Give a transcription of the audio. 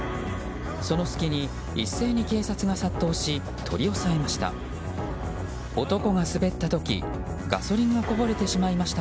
その隙に、一斉に警察が殺到し取り押さえました。